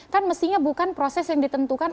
kan mestinya bukan proses yang ditentukan